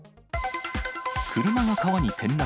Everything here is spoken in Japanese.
車が川に転落。